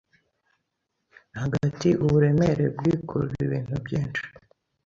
Hagati uburemere bwikurura ibintu byinshi